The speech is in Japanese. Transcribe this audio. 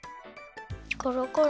コロコロ。